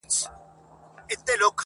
مړاوي سوي رژېدلي د نېستۍ کندي ته تللي -